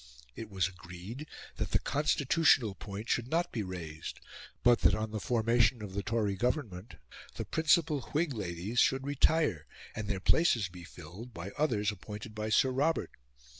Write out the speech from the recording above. It was agreed that the constitutional point should not be raised, but that on the formation of the Tory Government, the principal Whig ladies should retire, and their places be filled by others appointed by Sir Robert.